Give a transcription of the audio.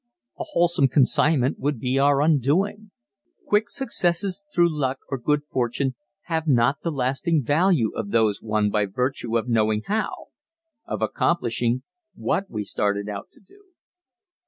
A wholesale consignment would be our undoing. Quick successes through luck or good fortune have not the lasting value of those won by virtue of knowing how of accomplishing what we started out to do.